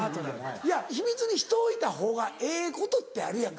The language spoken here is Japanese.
いや秘密にしておいたほうがええことってあるやんか。